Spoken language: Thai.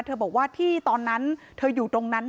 บอกว่าที่ตอนนั้นเธออยู่ตรงนั้น